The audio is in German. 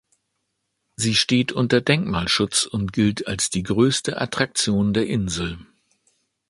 Sie steht unter Denkmalschutz und gilt als die größte Attraktion der Insel.